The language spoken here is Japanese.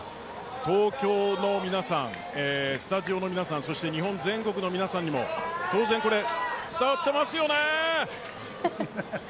東京の皆さん、スタジアム皆さんそして日本全国の皆さんにも当然、これ伝わってますよね。